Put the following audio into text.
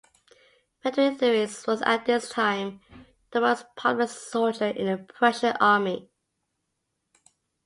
Frederick Louis was at this time the most popular soldier in the Prussian army.